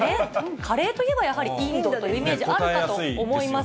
カレーといえば、やはりインドというイメージあるかと思います。